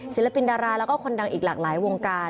ศิลปินดาราแล้วก็คนดังอีกหลากหลายวงการ